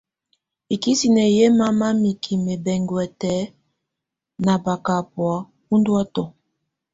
Ikisine yɛ mama mikime bɛnguɛtɛ na bakabɔa unduətɔ.